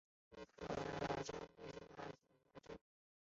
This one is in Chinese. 赖恩镇区为美国堪萨斯州索姆奈县辖下的镇区。